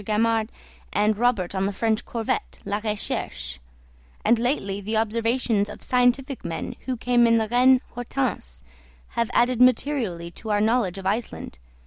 Gaimard and Robert on the French corvette La Recherche, and lately the observations of scientific men who came in the Reine Hortense, have added materially to our knowledge of Iceland.